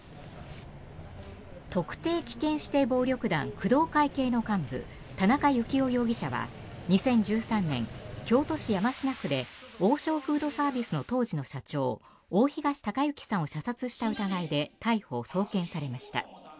特定危険指定暴力団工藤会系の幹部田中幸雄容疑者は２０１３年、京都市山科区で王将フードサービスの当時の社長大東隆行さんを射殺した疑いで逮捕・送検されました。